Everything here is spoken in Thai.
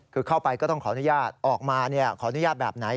คือเข้าไปก็ต้องขออนุญาตออกมาขออนุญาตแบบไหน